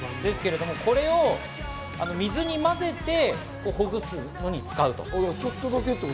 これを水に混ぜてほぐすのに使うと。